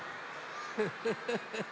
フフフフフ。